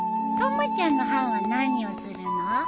たまちゃんの班は何をするの？